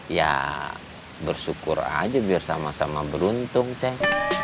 ya bersyukur aja biar sama sama beruntung cek